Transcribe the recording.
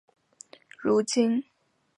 如今大王能做到吗？